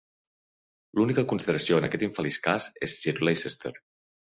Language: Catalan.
L'única consideració en aquest infeliç cas és Sir Leicester.